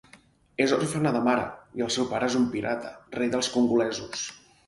És òrfena de mare, i el seu pare és un pirata rei dels congolesos.